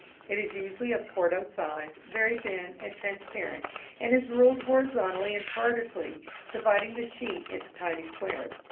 It is usually of quarto size, very thin and transparent, and is ruled horizontally and vertically, dividing the sheet into tiny squares.